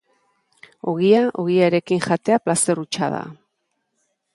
Ogia ogiarekin jatea plazer hutsa da.